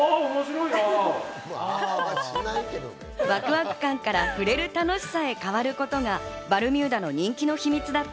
ワクワク感から触れる楽しさへ変わることがバルミューダの人気の秘密だ